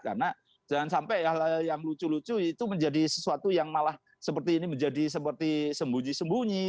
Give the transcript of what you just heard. karena jangan sampai hal hal yang lucu lucu itu menjadi sesuatu yang malah seperti ini menjadi seperti sembunyi sembunyi